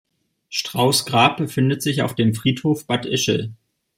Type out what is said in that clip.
Straus’ Grab befindet sich auf dem Friedhof Bad Ischl.